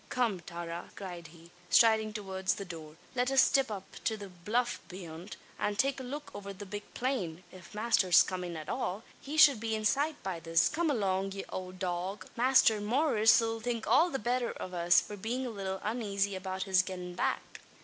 "Come, Tara!" cried he, striding towards the door. "Let us stip up to the bluff beyant, and take a look over the big plain. If masther's comin' at all, he shud be in sight by this. Come along, ye owld dog! Masther Maurice 'll think all the betther av us, for bein' a little unazy about his gettin' back."